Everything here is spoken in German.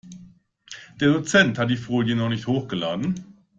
Der Dozent hat die Folien noch nicht hochgeladen.